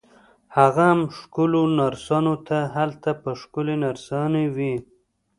هغه هم ښکلو نرسانو ته، هلته به ښکلې نرسانې وي.